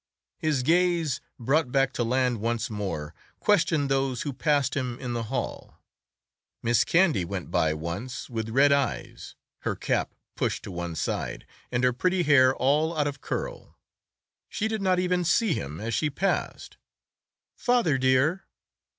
His gaze, brought back to land once more, questioned those who passed him in the hall. Miss Candy went by once with red eyes, her cap pushed to one side, and her pretty hair all out of curl. She did not even see him as she passed. "Father dear!"